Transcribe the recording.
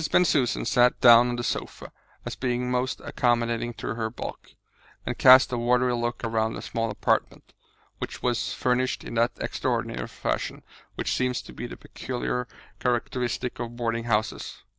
Bensusan sat down on the sofa, as being most accommodating to her bulk, and cast a watery look around the small apartment, which was furnished in that extraordinary fashion which seems to be the peculiar characteristic of boarding houses.